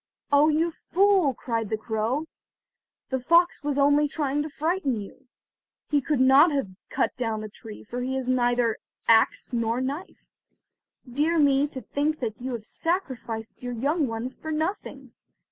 Oh, you fool," cried the crow, "the fox was only trying to frighten you. He could not have cut down the tree, for he has neither axe nor knife. Dear me, to think that you have sacrificed your young ones for nothing!